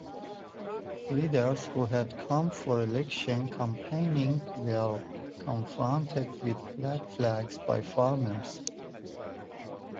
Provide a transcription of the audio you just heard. Leaders who had come for election campaigning were confronted with black flags by farmers.